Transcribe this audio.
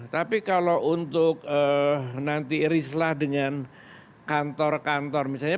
tapi kalau untuk nanti irislah dengan kantor kantor misalnya